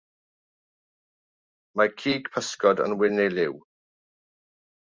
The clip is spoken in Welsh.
Mae cig pysgod yn wyn ei liw.